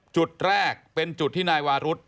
จุดแรกเป็นจุดที่นายวารุธ